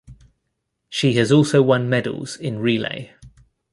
She has also won medals in relay.